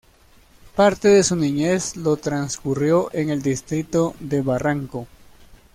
Parte de su niñez lo transcurrió en el distrito de Barranco.